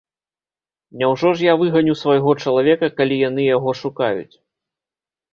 Няўжо ж я выганю свайго чалавека, калі яны яго шукаюць?